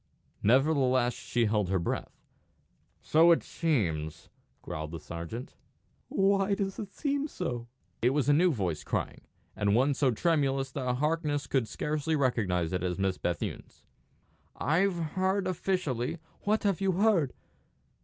Nevertheless she held her breath. "So it seems," growled the sergeant. "Why does it seem so?" It was a new voice crying, and one so tremulous that Harkness could scarcely recognise it as Miss Bethune's. "I've heard officially " "What have you heard?"